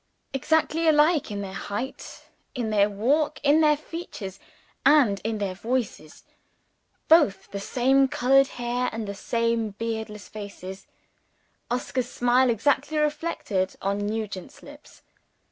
Exactly alike in their height, in their walk, in their features, and in their voices. Both with the same colored hair and the same beardless faces. Oscar's smile exactly reflected on Nugent's lips.